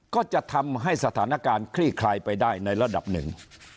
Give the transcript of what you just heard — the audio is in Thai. ก็จะทำให้สถานการณ์คลี่คลายไปได้ในระดับหนึ่ง